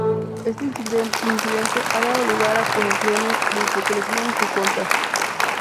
Este incidente ha dado lugar a acusaciones de hipocresía en su contra.